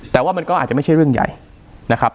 แต่ว่ามันก็อาจจะไม่ใช่เรื่องใหญ่นะครับ